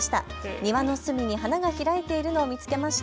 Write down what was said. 庭の隅に花が開いているのを見つけました。